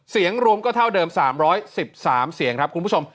เสียงรวมก็เท่าเดิม๓๑๓เสียงครับคุณผู้ชม